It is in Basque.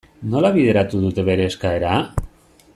Nola bideratu dute bere eskaera?